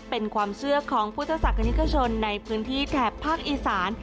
เป็นความเชื่อของพุทธศาสนิกชนในพื้นที่แถบภาคอีสาน